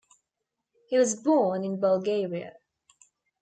He was born in Bulgaria.